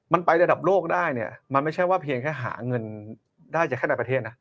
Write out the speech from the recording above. มันไประดับโลกได้เนี่ยมันไม่ใช่ว่าเพียงแค่หาเงินได้จากแค่ในประเทศนะ